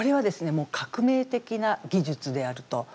もう革命的な技術であると。